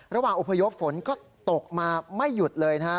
ระหว่างอุพยพฝนก็ตกมาไม่หยุดเลยนะฮะ